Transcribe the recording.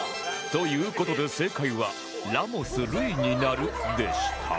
という事で正解は「ラモス瑠偉になる」でした